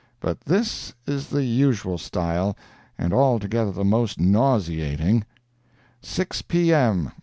But this is the usual style, and altogether the most nauseating: "SIX P.M.